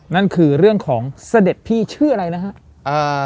นั่นคือเรื่องของเสด็จพี่ชื่ออะไรนะครับ